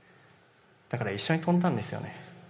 だから一緒に跳んだんですよね。